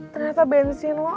ternyata bensin lo abis